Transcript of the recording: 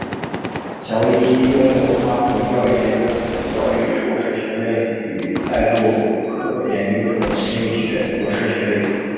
乔伊拥有哈佛教育研究所教育硕士学位与赛布鲁克研究所心理学博士学位。